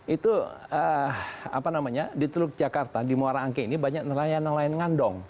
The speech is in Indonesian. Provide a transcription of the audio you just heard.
itu apa namanya di teluk jakarta di muara angke ini banyak nelayan nelayan ngandong